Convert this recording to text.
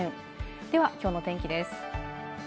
では、きょうの天気です。